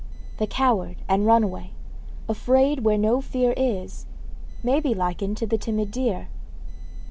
The coward and runaway, afraid where no fear is, may be likened to the timid deer.